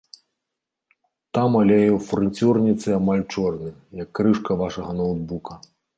Там алей ў фрыцюрніцы амаль чорны, як крышка вашага ноўтбука.